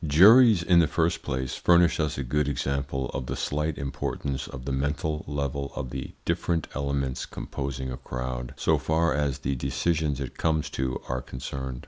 Juries, in the first place, furnish us a good example of the slight importance of the mental level of the different elements composing a crowd, so far as the decisions it comes to are concerned.